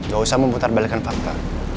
gak usah memutar balikan fakta